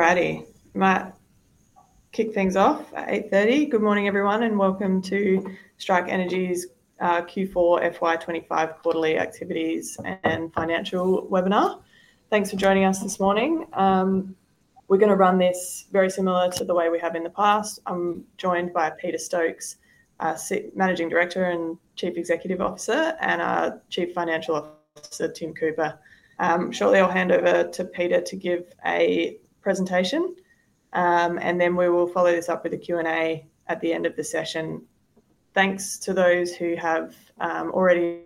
Alrighty, let's kick things off at 8:30 A.M. Good morning, everyone, and welcome to Strike Energy's Q4 FY 2025 quarterly activities and financial webinar. Thanks for joining us this morning. We're going to run this very similar to the way we have in the past. I'm joined by Peter Stokes, our Managing Director and Chief Executive Officer, and our Chief Financial Officer, Tim Cooper. Shortly, I'll hand over to Peter to give a presentation, and then we will follow this up with a Q&A at the end of the session. Thanks to those who have already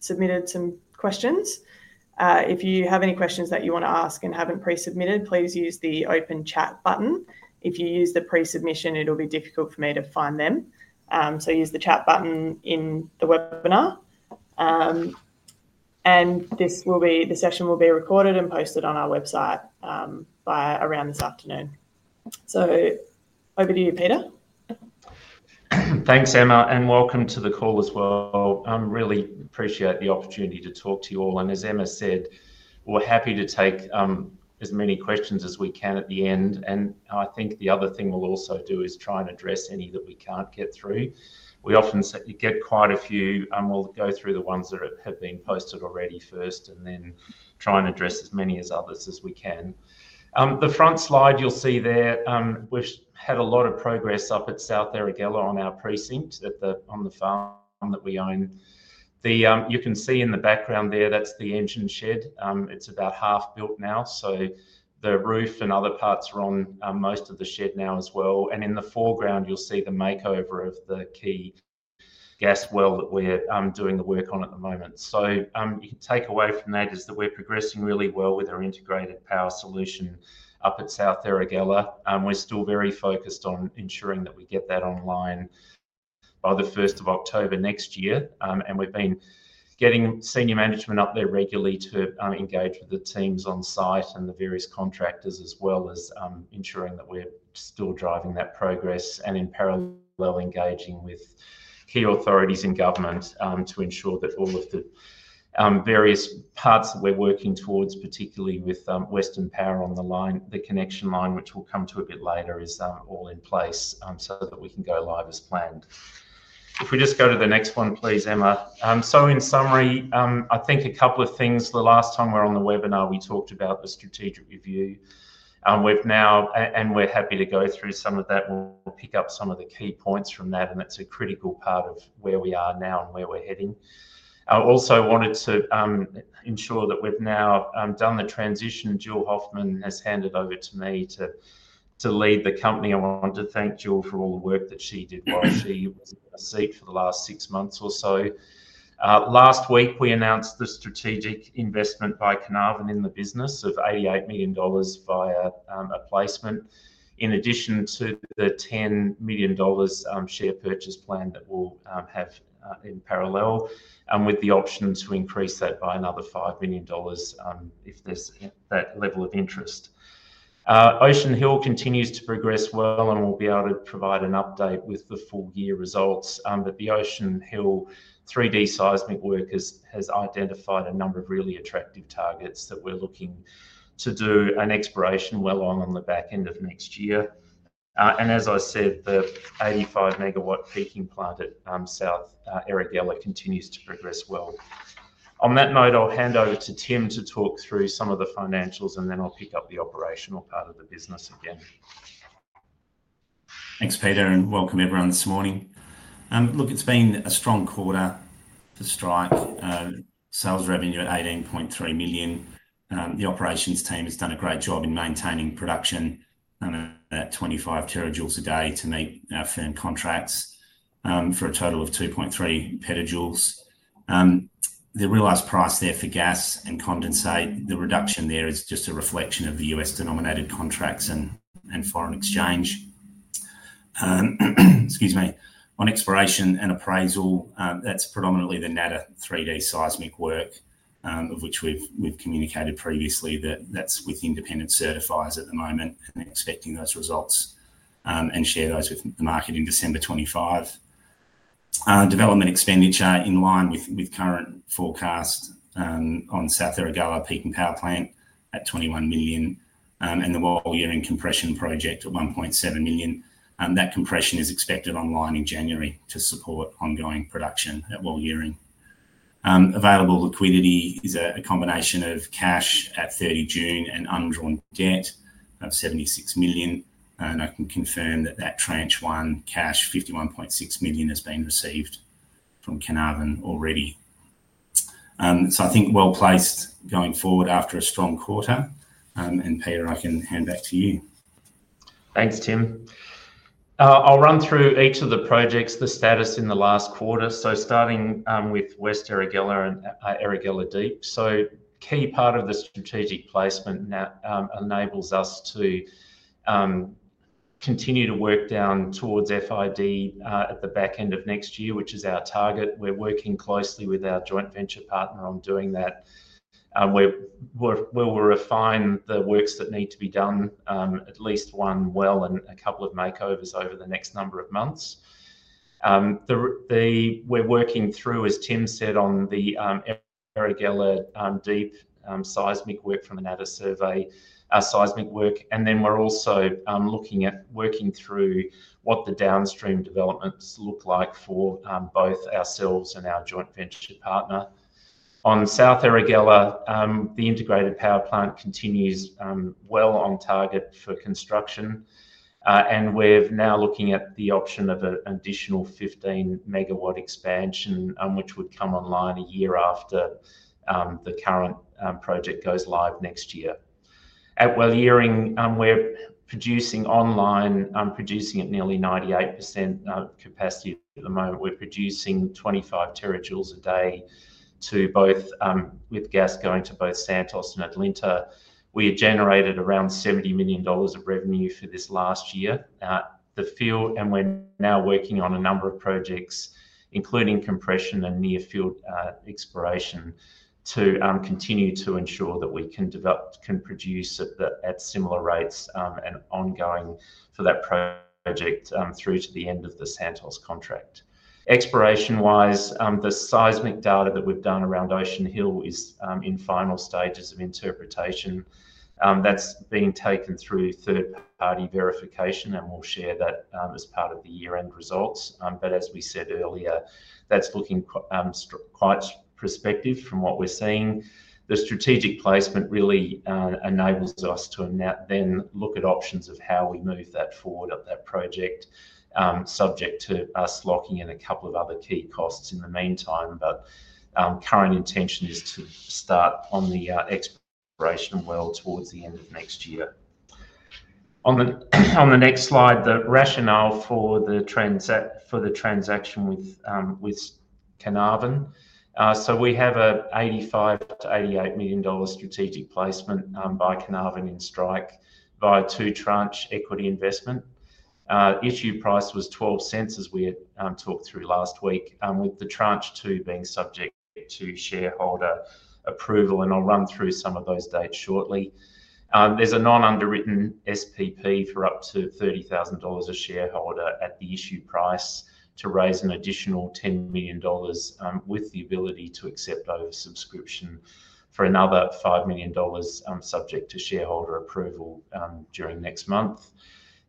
submitted some questions. If you have any questions that you want to ask and haven't pre-submitted, please use the open chat button. If you use the pre-submission, it'll be difficult for me to find them, so use the chat button in the webinar. This session will be recorded and posted on our website around this afternoon. Over to you, Peter. Thanks, Emma, and welcome to the call as well. I really appreciate the opportunity to talk to you all. As Emma said, we're happy to take as many questions as we can at the end. I think the other thing we'll also do is try and address any that we can't get through. We often get quite a few, and we'll go through the ones that have been posted already first and then try and address as many others as we can. The front slide you'll see there, we've had a lot of progress up at South Erregulla on our precinct on the farm that we own. You can see in the background there, that's the engine shed. It's about half built now, so the roof and other parts are on most of the shed now as well. In the foreground, you'll see the makeover of the key gas well that we're doing the work on at the moment. What you can take away from that is that we're progressing really well with our integrated power solution up at South Erregulla. We're still very focused on ensuring that we get that online by the 1st of October next year, and we've been getting senior management up there regularly to engage with the teams on site and the various contractors, as well as ensuring that we're still driving that progress and in parallel engaging with key authorities in government to ensure that all of the various parts that we're working towards, particularly with Western Power on the line, the connection line, which we'll come to a bit later, is all in place so that we can go live as planned. If we just go to the next one, please, Emma. In summary, I think a couple of things. The last time we were on the webinar, we talked about the strategic review. We've now, and we're happy to go through some of that. We'll pick up some of the key points from that, and that's a critical part of where we are now and where we're heading. I also wanted to ensure that we've now done the transition. Jill Hoffmann has handed over to me to lead the company. I want to thank Jill for all the work that she did while she was in the seat for the last six months or so. Last week, we announced the strategic investment by Carnarvon Energy in the business of $88 million via a placement, in addition to the $10 million share purchase plan that we'll have in parallel, with the option to increase that by another $5 million if there's that level of interest. Ocean Hill continues to progress well, and we'll be able to provide an update with the full-year results. The Ocean Hill 3D seismic work has identified a number of really attractive targets that we're looking to do an exploration well on the back end of next year. As I said, the 85 MW peaking plant at South Erregulla continues to progress well. On that note, I'll hand over to Tim to talk through some of the financials, and then I'll pick up the operational part of the business again. Thanks, Peter, and welcome everyone this morning. Look, it's been a strong quarter for Strike. Sales revenue at $18.3 million. The operations team has done a great job in maintaining production at 25 TJ/day to meet our firm contracts for a total of 2.3 PJ. The realized price there for gas and condensate, the reduction there is just a reflection of the U.S. denominated contracts and foreign exchange. On exploration and appraisal, that's predominantly the Natta 3D seismic work, of which we've communicated previously that that's with independent certifiers at the moment, and expecting those results and share those with the market in December 2025. Development expenditure in line with current forecast on South Erregulla gas peaking power station at $21 million, and the Walyering compression project at $1.7 million. That compression is expected online in January to support ongoing production at Walyering. Available liquidity is a combination of cash at 30 June and undrawn debt of $76 million, and I can confirm that that tranche one cash $51.6 million has been received from Carnarvon already. I think well placed going forward after a strong quarter, and Peter, I can hand back to you. Thanks, Tim. I'll run through each of the projects, the status in the last quarter. Starting with West Erregulla and Erregulla Deep, a key part of the strategic placement now enables us to continue to work down towards FID at the back end of next year, which is our target. We're working closely with our joint venture partner on doing that. We'll refine the works that need to be done, at least one well and a couple of makeovers over the next number of months. We're working through, as Tim said, on the Erregulla Deep seismic work from an ADAS survey seismic work, and then we're also looking at working through what the downstream developments look like for both ourselves and our joint venture partner. On South Erregulla, the integrated power plant continues well on target for construction, and we're now looking at the option of an additional 15 MW expansion, which would come online a year after the current project goes live next year. At Walyering, we're producing online, producing at nearly 98% capacity at the moment. We're producing 25 TJ/day with gas going to both Santos and ATCO. We generated around $70 million of revenue for this last year out of the field, and we're now working on a number of projects, including compression and near-field exploration, to continue to ensure that we can produce at similar rates and ongoing for that project through to the end of the Santos contract. Exploration-wise, the seismic data that we've done around Ocean Hill is in final stages of interpretation. That's being taken through third-party verification, and we'll share that as part of the year-end results. As we said earlier, that's looking quite prospective from what we're seeing. The strategic placement really enables us to then look at options of how we move that forward at that project, subject to us locking in a couple of other key costs in the meantime. Current intention is to start on the exploration well towards the end of next year. On the next slide, the rationale for the transaction with Carnarvon. We have an $85 million-$88 million strategic placement by Carnarvon in Strike via two-tranche equity investment. Issue price was $0.12, as we had talked through last week, with the tranche two being subject to shareholder approval. I'll run through some of those dates shortly. There's a non-underwritten SPP for up to $30,000 a shareholder at the issue price to raise an additional $10 million, with the ability to accept oversubscription for another $5 million subject to shareholder approval during next month.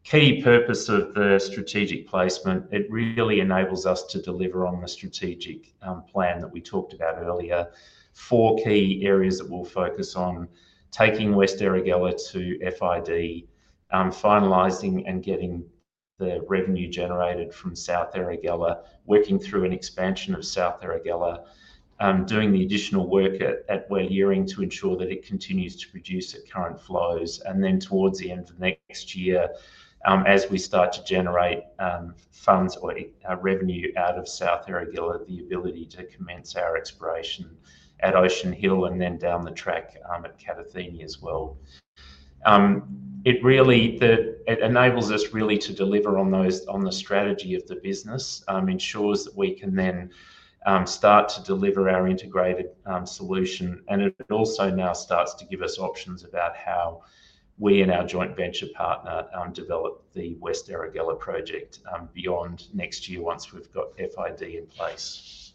Key purpose of the strategic placement, it really enables us to deliver on the strategic plan that we talked about earlier. Four key areas that we'll focus on: taking West Erregulla to FID, finalizing and getting the revenue generated from South Erregulla, working through an expansion of South Erregulla, doing the additional work at Walyering to ensure that it continues to produce at current flows, and then towards the end of next year, as we start to generate funds or revenue out of South Erregulla, the ability to commence our exploration at Ocean Hill and then down the track at Catathina as well. It really enables us really to deliver on the strategy of the business, ensures that we can then start to deliver our integrated solution, and it also now starts to give us options about how we and our joint venture partner develop the West Erregulla project beyond next year once we've got FID in place.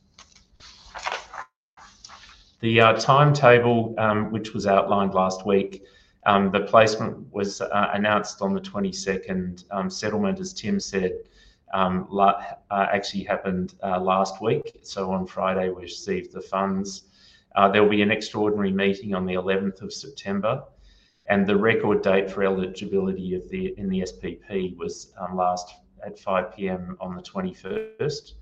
The timetable, which was outlined last week, the placement was announced on the 22nd. Settlement, as Tim said, actually happened last week. On Friday, we received the funds. There will be an extraordinary meeting on the 11th of September, and the record date for eligibility in the SPP was last at 5:00 P.M. on the 21st.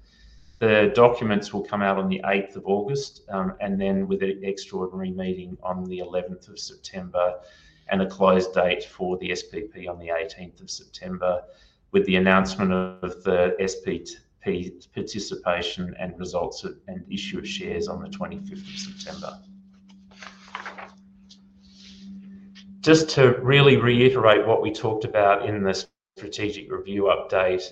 The documents will come out on the 8th of August, and then with an extraordinary meeting on the 11th of September and a close date for the SPP on the 18th of September, with the announcement of the SPP participation and results and issue of shares on the 25th of September. Just to really reiterate what we talked about in the strategic review update,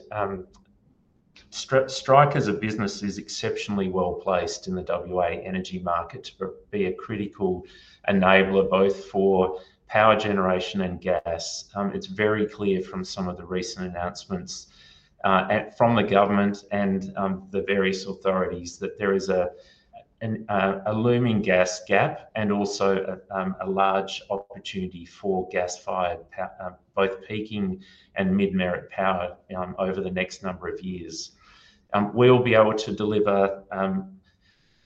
Strike as a business is exceptionally well placed in the WA energy market to be a critical enabler both for power generation and gas. It's very clear from some of the recent announcements from the government and the various authorities that there is a looming gas gap and also a large opportunity for gas-fired, both peaking and mid-merit power over the next number of years. We'll be able to deliver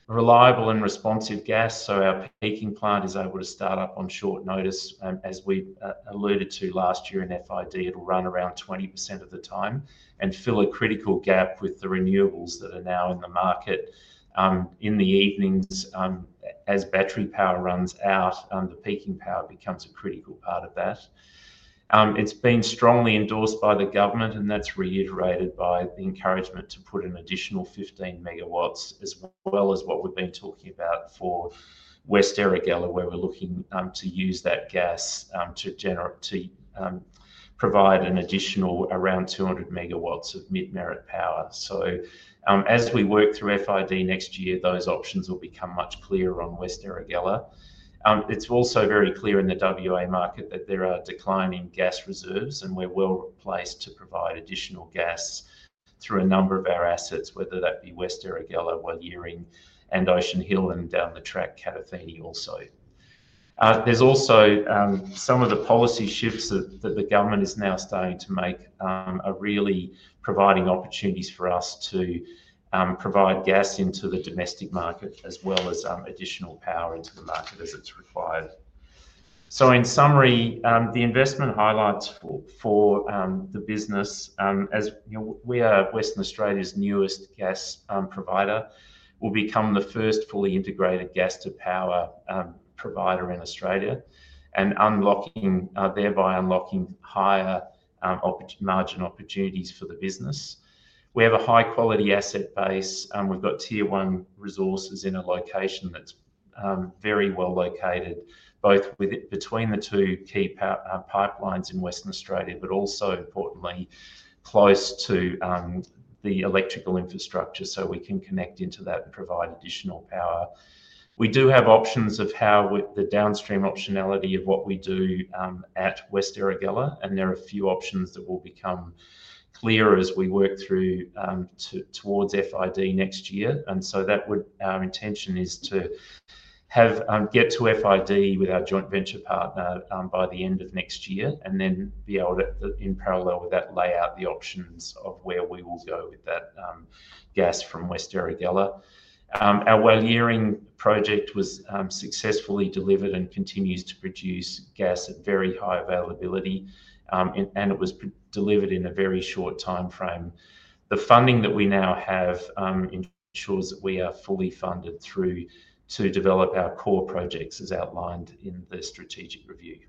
reliable and responsive gas, so our peaking plant is able to start up on short notice. As we alluded to last year in FID, it'll run around 20% of the time and fill a critical gap with the renewables that are now in the market. In the evenings, as battery power runs out, the peaking power becomes a critical part of that. It's been strongly endorsed by the government, and that's reiterated by the encouragement to put an additional 15 MW, as well as what we've been talking about for West Erregulla, where we're looking to use that gas to provide an additional around 200 MW of mid-merit power. As we work through FID next year, those options will become much clearer on West Erregulla. It's also very clear in the WA market that there are declining gas reserves, and we're well placed to provide additional gas through a number of our assets, whether that be West Erregulla, Walyering, and Ocean Hill, and down the track, South Erregulla also. Some of the policy shifts that the government is now starting to make are really providing opportunities for us to provide gas into the domestic market, as well as additional power into the market as it's required. In summary, the investment highlights for the business, as we are Western Australia's newest gas provider. We'll become the first fully integrated gas-to-power provider in Australia, and thereby unlocking higher margin opportunities for the business. We have a high-quality asset base. We've got tier-one resources in a location that's very well located, both between the two key power pipelines in Western Australia, but also importantly close to the electrical infrastructure, so we can connect into that and provide additional power. We do have options of how the downstream optionality of what we do at West Erregulla, and there are a few options that will become clearer as we work through towards FID next year. Our intention is to get to FID with our joint venture partner by the end of next year, and then be able to, in parallel with that, lay out the options of where we will go with that gas from West Erregulla. Our Walyering project was successfully delivered and continues to produce gas at very high availability, and it was delivered in a very short timeframe. The funding that we now have ensures that we are fully funded to develop our core projects as outlined in the strategic review.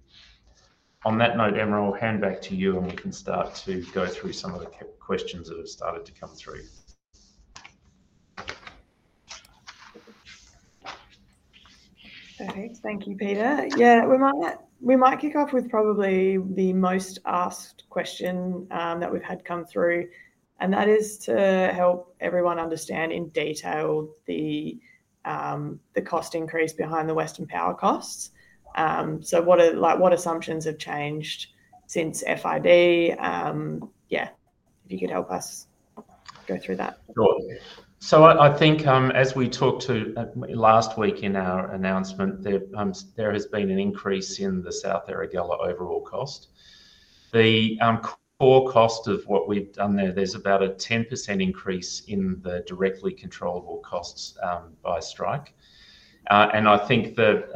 On that note, Emma, I'll hand back to you, and we can start to go through some of the questions that have started to come through. Perfect. Thank you, Peter. Yeah, we might kick off with probably the most asked question that we've had come through, and that is to help everyone understand in detail the cost increase behind the Western Power costs. What assumptions have changed since FID? If you could help us go through that. Sure. I think as we talked to last week in our announcement, there has been an increase in the South Erregulla overall cost. The core cost of what we've done there, there's about a 10% increase in the directly controllable costs by Strike. I think that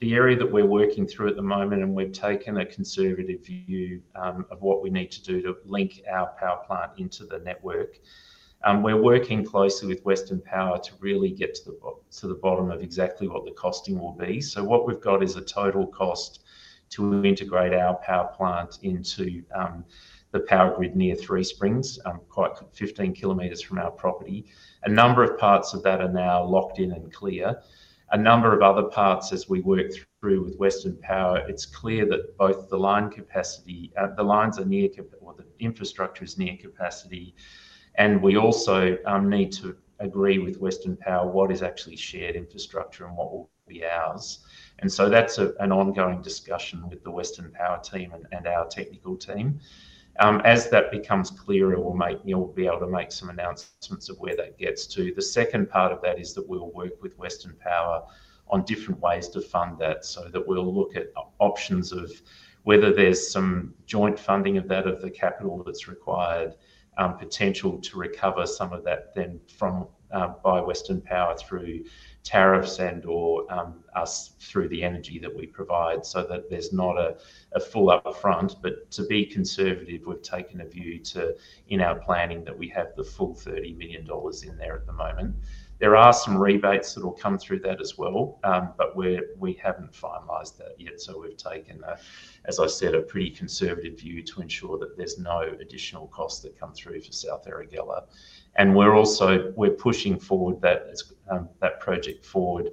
the area that we're working through at the moment, and we've taken a conservative view of what we need to do to link our power plant into the network, we're working closely with Western Power to really get to the bottom of exactly what the costing will be. What we've got is a total cost to integrate our power plant into the power grid near Three Springs, about 15 kilometers from our property. A number of parts of that are now locked in and clear. A number of other parts, as we work through with Western Power, it's clear that both the line capacity, the lines are near, or the infrastructure is near capacity, and we also need to agree with Western Power what is actually shared infrastructure and what will be ours. That's an ongoing discussion with the Western Power team and our technical team. As that becomes clearer, we'll be able to make some announcements of where that gets to. The second part of that is that we'll work with Western Power on different ways to fund that, so that we'll look at options of whether there's some joint funding of the capital that's required, potential to recover some of that then from Western Power through tariffs and/or us through the energy that we provide, so that there's not a full upfront. To be conservative, we've taken a view in our planning that we have the full $30 million in there at the moment. There are some rebates that will come through that as well, but we haven't finalized that yet. We've taken, as I said, a pretty conservative view to ensure that there's no additional costs that come through for South Erregulla. We're also pushing that project forward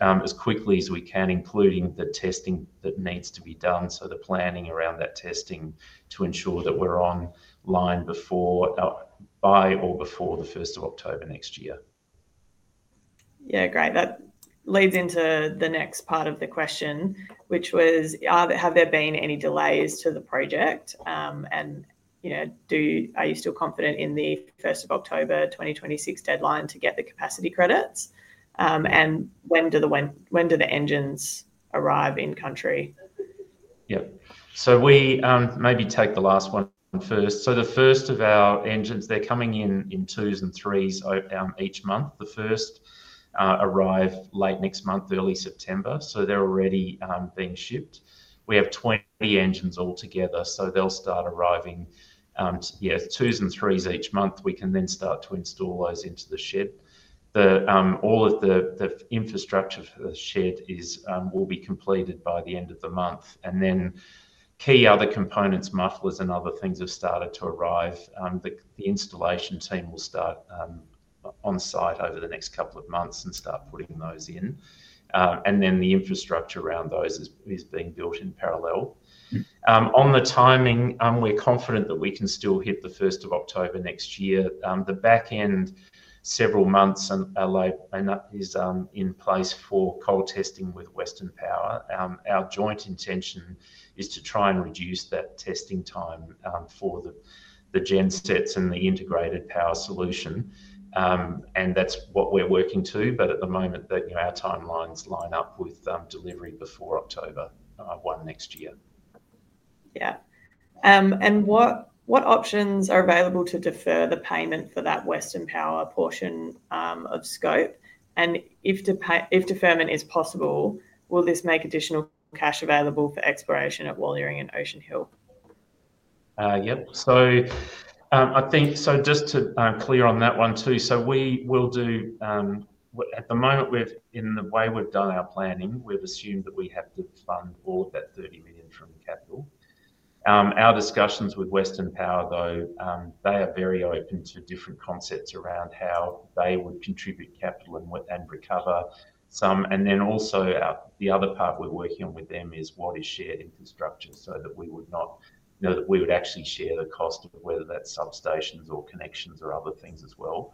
as quickly as we can, including the testing that needs to be done, so the planning around that testing to ensure that we're online by or before the 1st of October next year. Yeah, great. That leads into the next part of the question, which was, have there been any delays to the project? Are you still confident in the 1st of October 2026 deadline to get the capacity credits? When do the engines arrive in country? Yep. Maybe take the last one first. The first of our engines, they're coming in in twos and threes each month. The first arrive late next month, early September, so they're already being shipped. We have 20 engines altogether, so they'll start arriving, twos and threes each month. We can then start to install those into the shed. All of the infrastructure for the shed will be completed by the end of the month. Key other components, mufflers and other things, have started to arrive. The installation team will start on site over the next couple of months and start putting those in. The infrastructure around those is being built in parallel. On the timing, we're confident that we can still hit the 1st of October next year. The back end several months is in place for coal testing with Western Power. Our joint intention is to try and reduce that testing time for the GenSets and the integrated power solution. That's what we're working to, but at the moment, our timelines line up with delivery before October 1 next year. What options are available to defer the payment for that Western Power portion of scope? If deferment is possible, will this make additional cash available for exploration at Walyering and Ocean Hill? Yep. I think, just to be clear on that one too, at the moment, in the way we've done our planning, we've assumed that we have to fund all of that $30 million from capital. Our discussions with Western Power, though, they are very open to different concepts around how they would contribute capital and recover some. Also, the other part we're working on with them is what is shared infrastructure, so that we would actually share the cost of whether that's substations or connections or other things as well.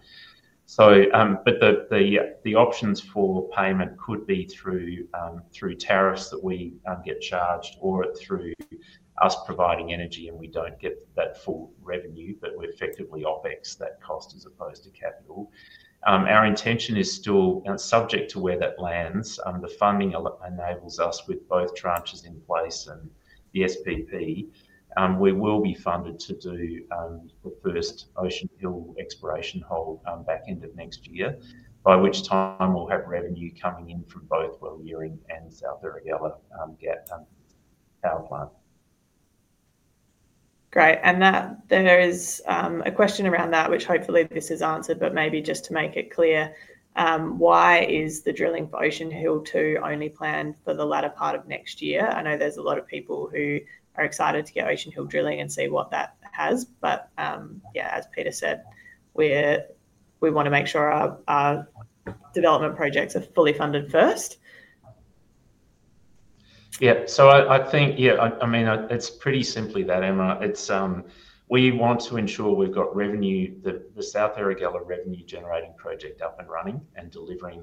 The options for payment could be through tariffs that we get charged or through us providing energy, and we don't get that full revenue, but we effectively OpEx that cost as opposed to capital. Our intention is still subject to where that lands. The funding enables us, with both tranches in place and the SPP, to be funded to do the first Ocean Hill exploration hole back end of next year, by which time we'll have revenue coming in from both Walyering and South Erregulla power plant. Great. There is a question around that, which hopefully this is answered, but maybe just to make it clear, why is the drilling for Ocean Hill 2 only planned for the latter part of next year? I know there's a lot of people who are excited to get Ocean Hill drilling and see what that has. As Peter said, we want to make sure our development projects are fully funded first. I think it's pretty simple, Emma. We want to ensure we've got revenue, the South Erregulla revenue-generating project up and running and delivery.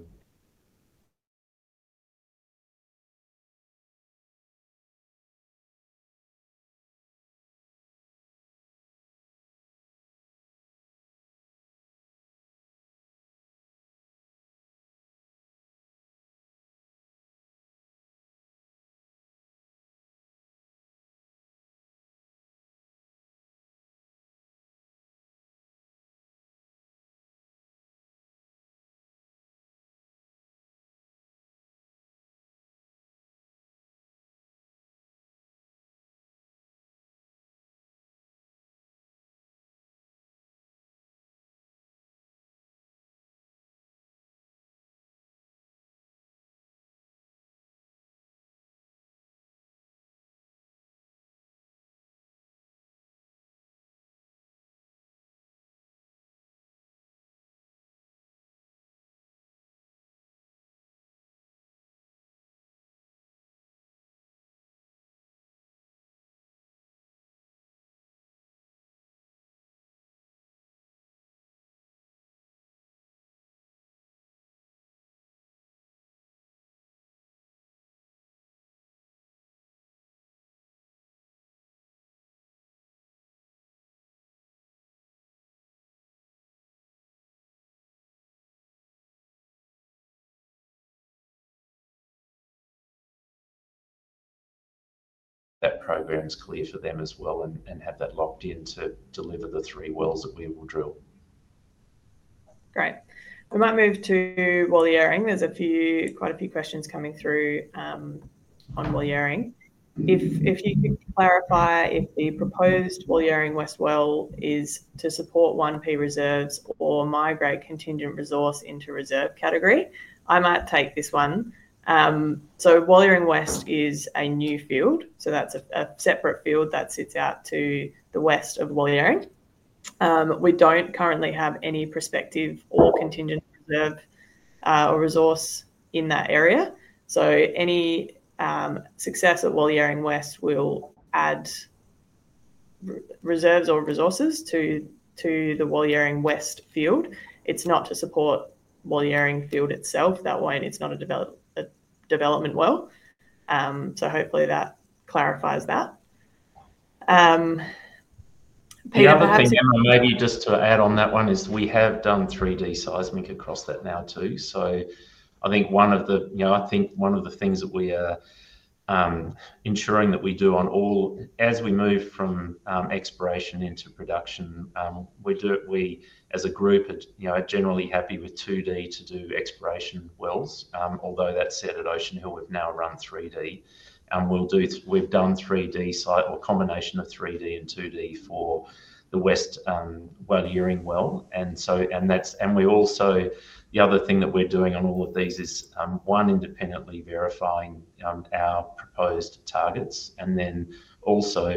That program's clear to them as well and have that locked in to deliver the three wells that we will drill. Great. I might move to Walyering. There's quite a few questions coming through on Walyering. If you could clarify if the proposed Walyering West well is to support 1P reserves or migrate contingent resource into reserve category, I might take this one. Walyering West is a new field, so that's a separate field that sits out to the west of Walyering. We don't currently have any prospective or contingent reserve or resource in that area. Any success at Walyering West will add reserves or resources to the Walyering West field. It's not to support Walyering field itself that way, and it's not a development well. Hopefully that clarifies that. The other thing, Emma, maybe just to add on that one is we have done 3D seismic across that now too. I think one of the things that we are ensuring that we do on all, as we move from exploration into production, we do it, we as a group are generally happy with 2D to do exploration wells. Although that said, at Ocean Hill, we've now run 3D. We've done 3D seismic or a combination of 3D and 2D for the West Erregulla well. The other thing that we're doing on all of these is, one, independently verifying our proposed targets. Also,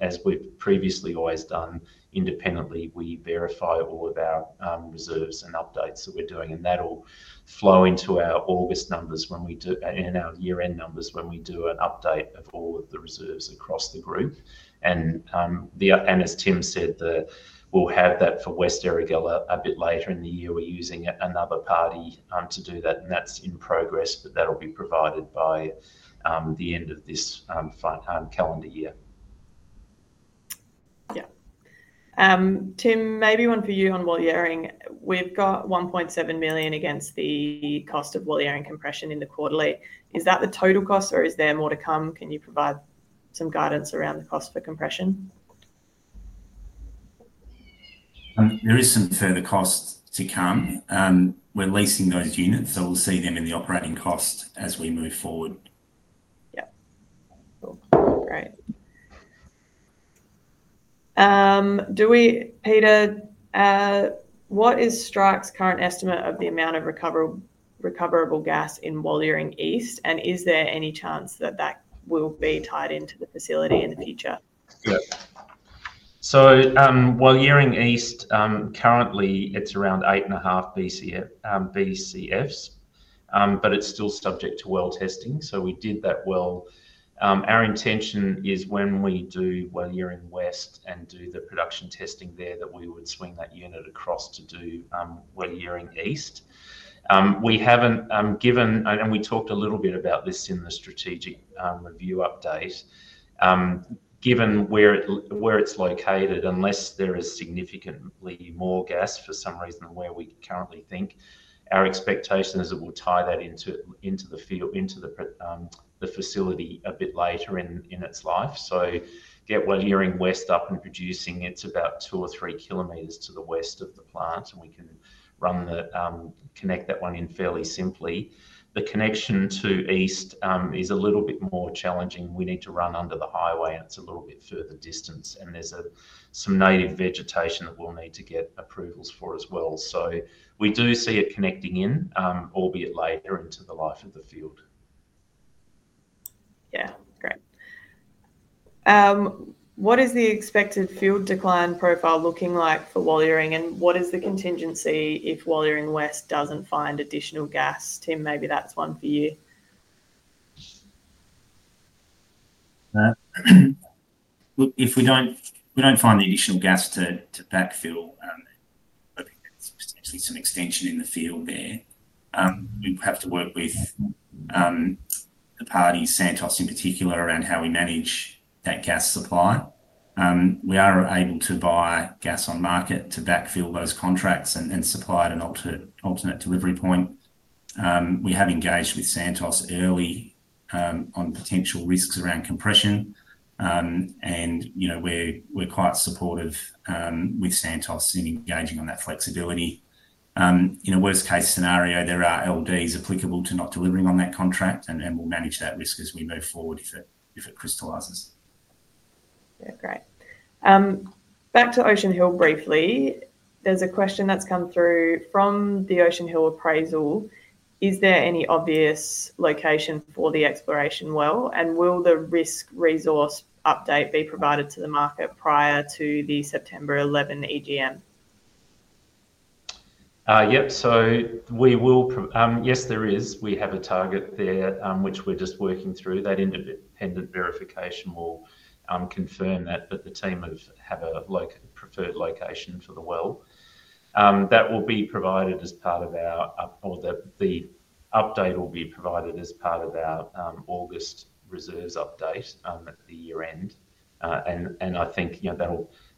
as we've previously always done independently, we verify all of our reserves and updates that we're doing. That'll flow into our August numbers when we do, and our year-end numbers when we do an update of all of the reserves across the group. As Tim said, we'll have that for West Erregulla a bit later in the year. We're using another party to do that, and that's in progress, but that'll be provided by the end of this calendar year. Yeah. Tim, maybe one for you on Walyering. We've got $1.7 million against the cost of Walyering compression in the quarterly. Is that the total cost or is there more to come? Can you provide some guidance around the cost for compression? There are some further costs to come. We're leasing those units, so we'll see them in the operating cost as we move forward. Great. Peter, what is Strike's current estimate of the amount of recoverable gas in Walyering East, and is there any chance that that will be tied into the facility in the future? Walyering East, currently, it's around 8.5 BCF, but it's still subject to well testing. We did that well. Our intention is when we do Walyering West and do the production testing there, that we would swing that unit across to do Walyering East. We haven't given, and we talked a little bit about this in the strategic review update, given where it's located, unless there is significantly more gas for some reason than where we currently think. Our expectation is that we'll tie that into the facility a bit later in its life. Get Walyering West up and producing; it's about two or three kilometers to the west of the plant, and we can connect that one in fairly simply. The connection to East is a little bit more challenging. We need to run under the highway. It's a little bit further distance, and there's some native vegetation that we'll need to get approvals for as well. We do see it connecting in, albeit later into the life of the field. Yeah, great. What is the expected field decline profile looking like for Walyering, and what is the contingency if Walyering West doesn't find additional gas? Tim, maybe that's one for you. If we don't find additional gas to backfill, I think that's potentially some extension in the field there. We have to work with the party, Santos in particular, around how we manage that gas supply. We are able to buy gas on market to backfill those contracts and supply at an alternate delivery point. We have engaged with Santos early on potential risks around compression, and we're quite supportive with Santos in engaging on that flexibility. In a worst-case scenario, there are LDs applicable to not delivering on that contract, and then we'll manage that risk as we move forward if it crystallises. Yeah, great. Back to Ocean Hill briefly, there's a question that's come through from the Ocean Hill appraisal. Is there any obvious location for the exploration well, and will the risk resource update be provided to the market prior to the September 11 EGM? Yep. Yes, there is. We have a target there, which we're just working through. That independent verification will confirm that, but the team will have a preferred location for the well. That will be provided as part of our, or the update will be provided as part of our August reserves update at the year-end. I think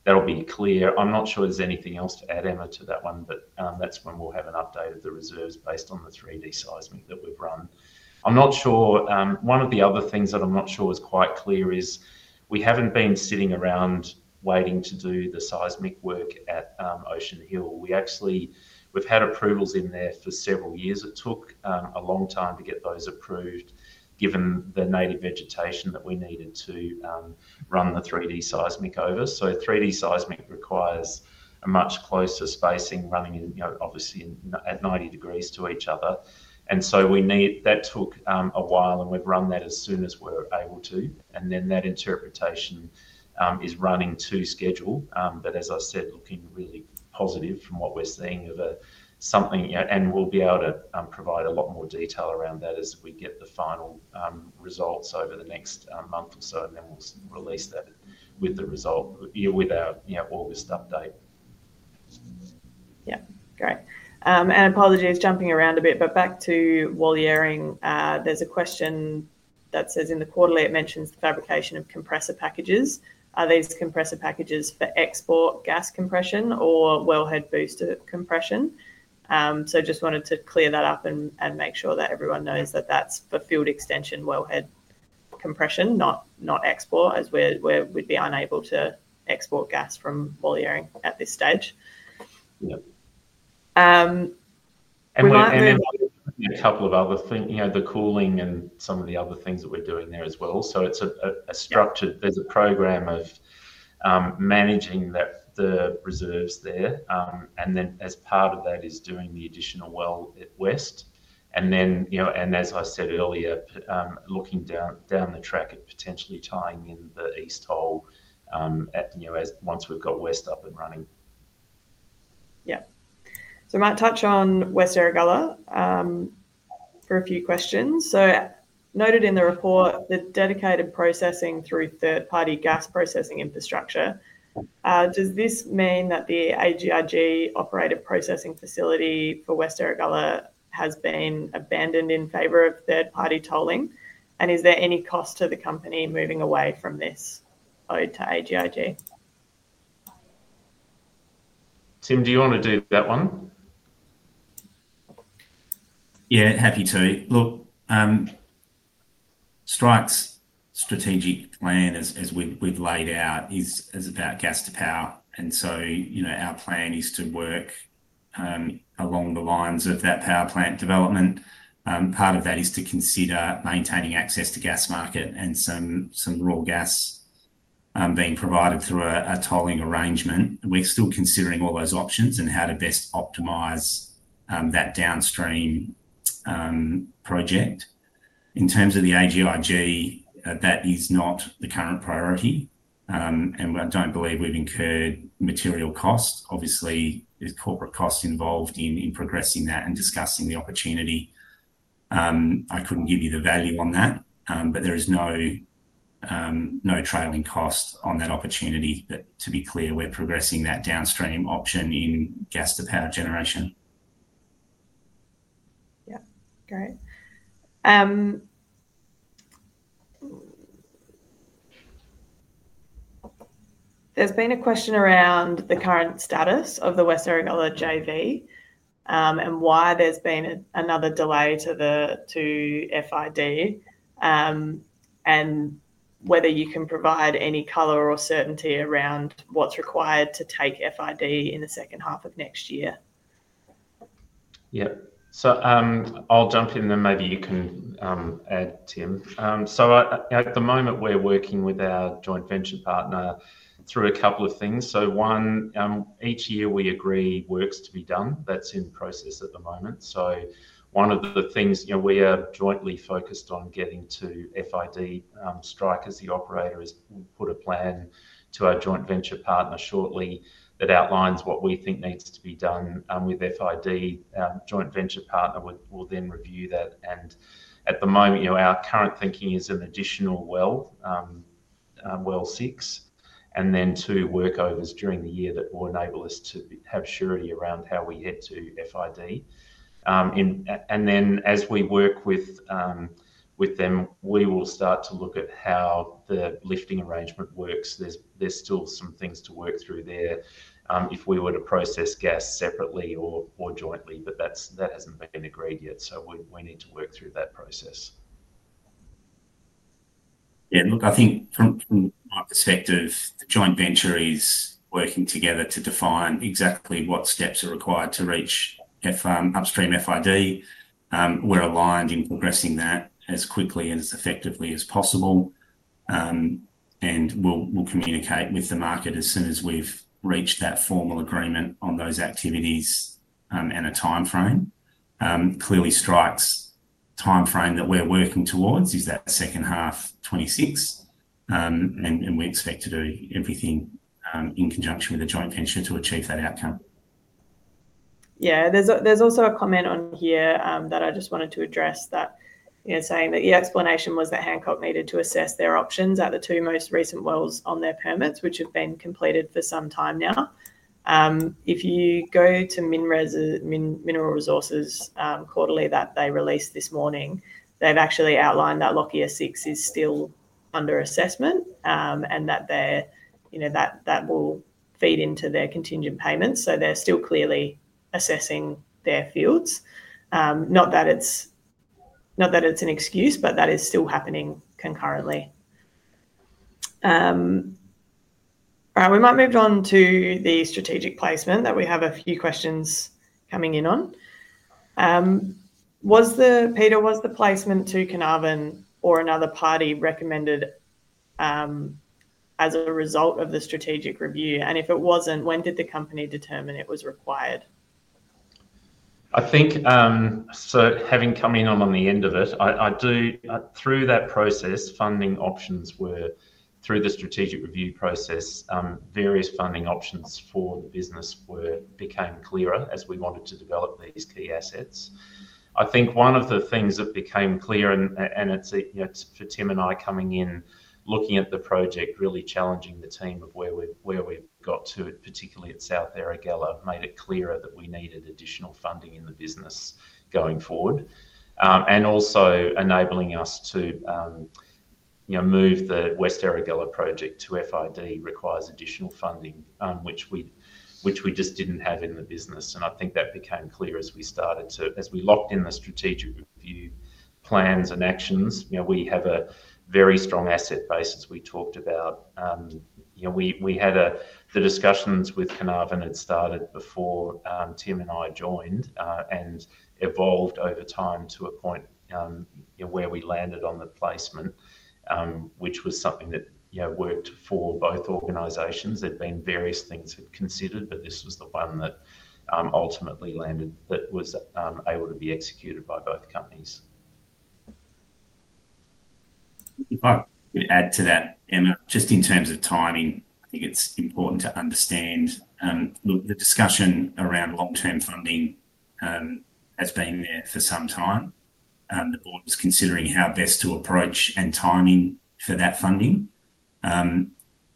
that'll be clear. I'm not sure there's anything else to add, Emma, to that one, but that's when we'll have an update of the reserves based on the 3D seismic that we've run. One of the other things that I'm not sure is quite clear is we haven't been sitting around waiting to do the seismic work at Ocean Hill. We've had approvals in there for several years. It took a long time to get those approved, given the native vegetation that we needed to run the 3D seismic over. 3D seismic requires a much closer spacing, running in, you know, obviously at 90 degrees to each other. That took a while, and we've run that as soon as we're able to. That interpretation is running to schedule, but as I said, looking really positive from what we're seeing of something, you know, and we'll be able to provide a lot more detail around that as we get the final results over the next month or so, and then we'll release that with the result, you know, with our August update. Great. Apologies for jumping around a bit, but back to Walyering, there's a question that says in the quarterly it mentions the fabrication of compressor packages. Are these compressor packages for export gas compression or wellhead booster compression? I just wanted to clear that up and make sure that everyone knows that's for field extension wellhead compression, not export, as we'd be unable to export gas from Walyering at this stage. There are a couple of other things, you know, the cooling and some of the other things that we're doing there as well. It's a structure, there's a program of managing the reserves there, and as part of that is doing the additional well at West Erregulla. As I said earlier, looking down the track at potentially tying in the East hole, you know, once we've got West up and running. Yeah. I might touch on West Erregulla for a few questions. Noted in the report, the dedicated processing through third-party gas processing infrastructure, does this mean that the AGIG-operated processing facility for West Erregulla has been abandoned in favor of third-party tolling? Is there any cost to the company moving away from this owed to AGIG? Tim, do you want to do that one? Yeah, happy to. Look, Strike's strategic plan, as we've laid out, is about gas-to-power. Our plan is to work along the lines of that power plant development. Part of that is to consider maintaining access to gas market and some rural gas being provided through a tolling arrangement. We're still considering all those options and how to best optimize that downstream project. In terms of the AGIG, that is not the current priority, and I don't believe we've incurred material costs. Obviously, there's corporate costs involved in progressing that and discussing the opportunity. I couldn't give you the value on that, but there is no trailing cost on that opportunity. To be clear, we're progressing that downstream option in gas-to-power generation. Yeah, great. There's been a question around the current status of the West Erregulla JV and why there's been another delay to the FID, and whether you can provide any color or certainty around what's required to take FID in the second half of next year. Yeah. I'll jump in and then maybe you can add, Tim. At the moment, we're working with our joint venture partner through a couple of things. One, each year we agree works to be done. That's in process at the moment. One of the things we are jointly focused on is getting to FID. Strike as the operator has put a plan to our joint venture partner shortly that outlines what we think needs to be done with FID. The joint venture partner will then review that. At the moment, our current thinking is an additional well, well six, and then two workovers during the year that will enable us to have surety around how we head to FID. As we work with them, we will start to look at how the lifting arrangement works. There's still some things to work through there if we were to process gas separately or jointly, but that hasn't been agreed yet. We need to work through that process. I think from my perspective, the joint venture is working together to define exactly what steps are required to reach upstream FID. We're aligned in progressing that as quickly and as effectively as possible, and we'll communicate with the market as soon as we've reached that formal agreement on those activities and a timeframe. Clearly, Strike's timeframe that we're working towards is that second half, 2026, and we expect to do everything in conjunction with the joint venture to achieve that outcome. Yeah, there's also a comment on here that I just wanted to address, saying that the explanation was that Hancock needed to assess their options at the two most recent wells on their permits, which have been completed for some time now. If you go to Mineral Resources Quarterly that they released this morning, they've actually outlined that Lockyer 6 is still under assessment and that that will feed into their contingent payments. They're still clearly assessing their fields. Not that it's an excuse, but that is still happening concurrently. All right, we might move on to the strategic placement that we have a few questions coming in on. Peter, was the placement to Carnarvon or another party recommended as a result of the strategic review? If it wasn't, when did the company determine it was required? I think, having come in on the end of it, I do, through that process, funding options were, through the strategic review process, various funding options for the business became clearer as we wanted to develop these key assets. I think one of the things that became clear, and it's for Tim and I coming in, looking at the project, really challenging the team of where we've got to, particularly at South Erregulla, made it clearer that we needed additional funding in the business going forward. Also, enabling us to move the West Erregulla project to FID requires additional funding, which we just didn't have in the business. I think that became clear as we locked in the strategic review plans and actions. We have a very strong asset base, as we talked about. We had the discussions with Carnarvon had started before Tim and I joined and evolved over time to a point where we landed on the placement, which was something that worked for both organizations. There'd been various things considered, but this was the one that ultimately landed, that was able to be executed by both companies. I'd add to that, Emma, just in terms of timing, I think it's important to understand. The discussion around long-term funding has been there for some time. The board was considering how best to approach and timing for that funding.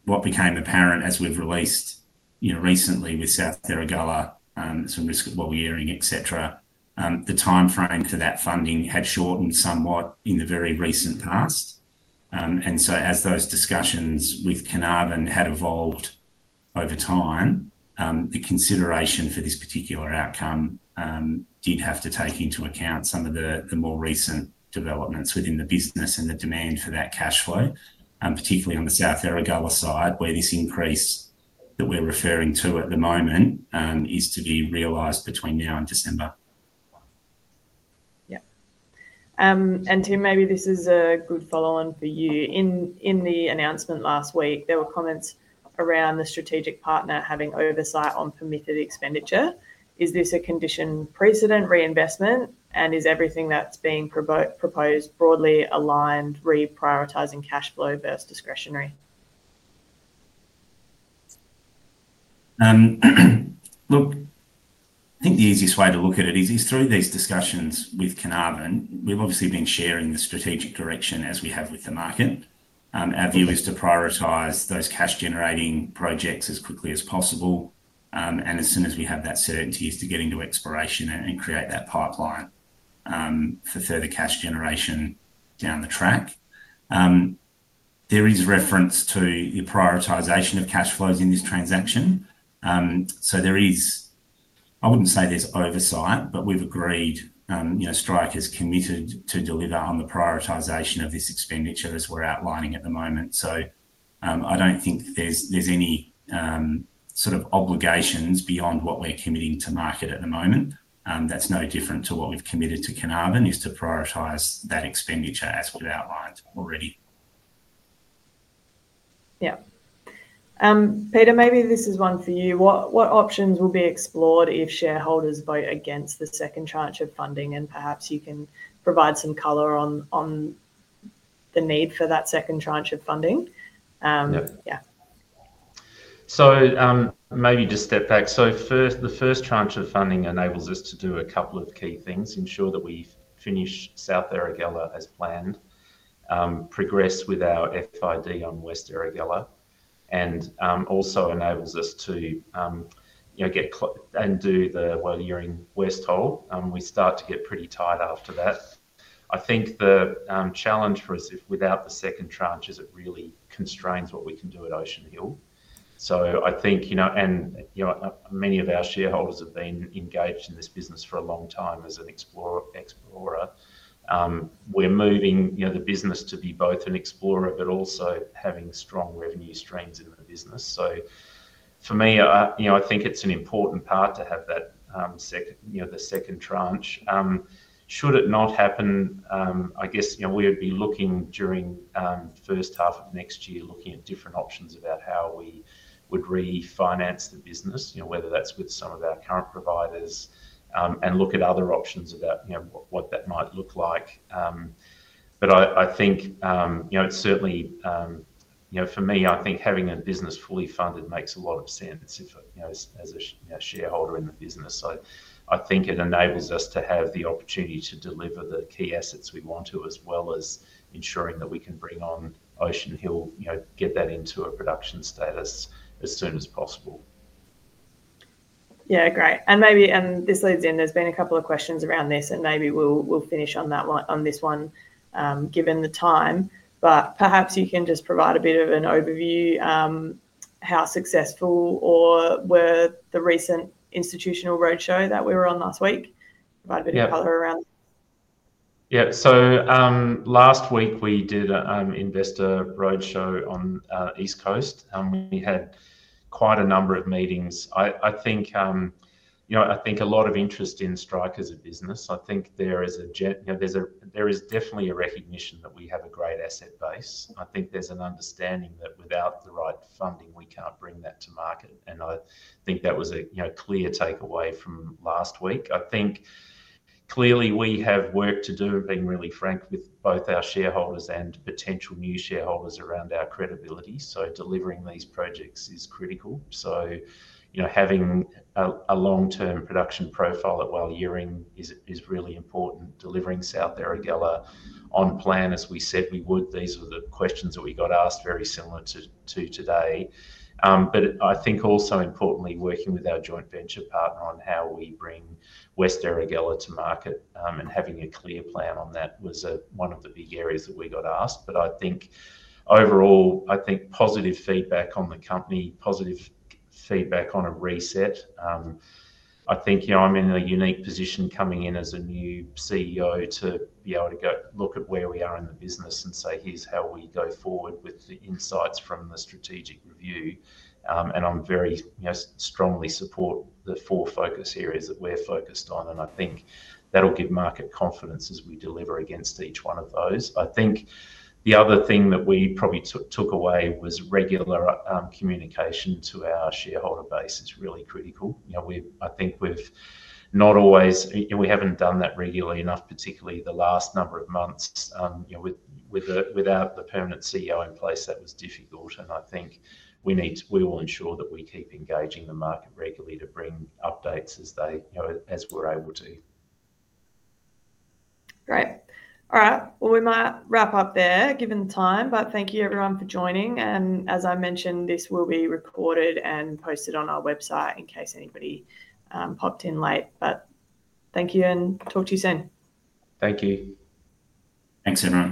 What became apparent as we've released, you know, recently with South Erregulla, as well as Walyering, etc., the timeframe for that funding had shortened somewhat in the very recent past. As those discussions with Carnarvon had evolved over time, the consideration for this particular outcome did have to take into account some of the more recent developments within the business and the demand for that cash flow, particularly on the South Erregulla side, where this increase that we're referring to at the moment is to be realized between now and December. Yeah. Tim, maybe this is a good follow-on for you. In the announcement last week, there were comments around the strategic partner having oversight on permitted expenditure. Is this a condition precedent reinvestment, and is everything that's being proposed broadly aligned reprioritizing cash flow versus discretionary? Look, I think the easiest way to look at it is through these discussions with Carnarvon. We've obviously been sharing the strategic direction as we have with the market. Our view is to prioritize those cash-generating projects as quickly as possible, and as soon as we have that certainty, is to get into exploration and create that pipeline for further cash generation down the track. There is reference to your prioritization of cash flows in this transaction. There is, I wouldn't say there's oversight, but we've agreed, you know, Strike is committed to deliver on the prioritization of this expenditure as we're outlining at the moment. I don't think there's any sort of obligations beyond what we're committing to market at the moment. That's no different to what we've committed to Carnarvon, is to prioritize that expenditure as we've outlined already. Peter, maybe this is one for you. What options will be explored if shareholders vote against the second tranche of funding, and perhaps you can provide some color on the need for that second tranche of funding? Yeah. Maybe just step back. First, the first tranche of funding enables us to do a couple of key things: ensure that we finish South Erregulla as planned, progress with our FID on West Erregulla, and also enables us to get and do the Walyering West hole. We start to get pretty tight after that. I think the challenge for us without the second tranche is it really constrains what we can do at Ocean Hill. I think, you know, and many of our shareholders have been engaged in this business for a long time as an explorer. We're moving the business to be both an explorer, but also having strong revenue streams in the business. For me, I think it's an important part to have that second tranche. Should it not happen, I guess we would be looking during the first half of next year, looking at different options about how we would refinance the business, whether that's with some of our current providers and look at other options about what that might look like. I think it's certainly, for me, I think having a business fully funded makes a lot of sense if, you know, as a shareholder in the business. I think it enables us to have the opportunity to deliver the key assets we want to, as well as ensuring that we can bring on Ocean Hill, get that into a production status as soon as possible. Great. Maybe this leads in, there's been a couple of questions around this, and maybe we'll finish on this one, given the time. Perhaps you can just provide a bit of an overview, how successful were the recent institutional roadshow that we were on last week? Provide a bit of color around. Yeah. Last week, we did an investor roadshow on the East Coast, and we had quite a number of meetings. I think a lot of interest in Strike Energy as a business. I think there is definitely a recognition that we have a great asset base. I think there's an understanding that without the right funding, we can't bring that to market. That was a clear takeaway from last week. Clearly, we have work to do, being really frank with both our shareholders and potential new shareholders around our credibility. Delivering these projects is critical. Having a long-term production profile at Walyering is really important. Delivering South Erregulla on plan, as we said we would, these were the questions that we got asked, very similar to today. I think also, importantly, working with our joint venture partner on how we bring West Erregulla to market and having a clear plan on that was one of the big areas that we got asked. Overall, positive feedback on the company, positive feedback on a reset. I'm in a unique position coming in as a new CEO to be able to go look at where we are in the business and say, "Here's how we go forward with the insights from the strategic review." I'm very strongly supportive of the four focus areas that we're focused on. I think that'll give market confidence as we deliver against each one of those. The other thing that we probably took away was regular communication to our shareholder base. It's really critical. I think we've not always, we haven't done that regularly enough, particularly the last number of months. Without the permanent CEO in place, that was difficult. We need to, we will ensure that we keep engaging the market regularly to bring updates as we're able to. Great. All right. We might wrap up there, given time. Thank you everyone for joining. As I mentioned, this will be recorded and posted on our website in case anybody popped in late. Thank you and talk to you soon. Thank you. Thanks, everyone.